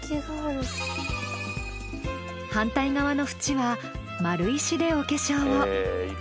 反対側の縁は丸石でお化粧を。